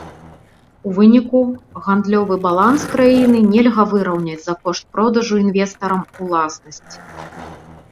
У выніку гандлёвы баланс краіны нельга выраўняць за кошт продажу інвестарам уласнасці.